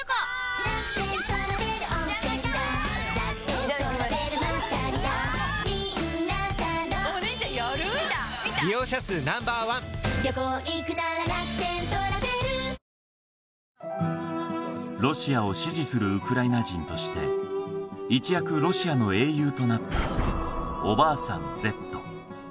そしてロシアを支持するウクライナ人として一躍ロシアの英雄となったおばあさん